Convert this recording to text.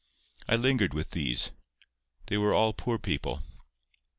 I lingered with these. They were all poor people.